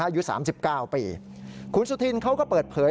อายุ๓๙ปีคุณสุธินเขาก็เปิดเผย